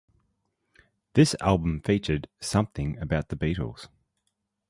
This album featured "Something about the Beatles".